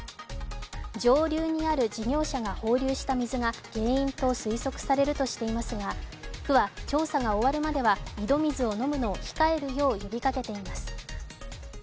上流にある事業者が放流した水が原因と推測されるとしていますが、府は調査が終わるまでは、井戸水を飲むのを控えるよう呼びかけています。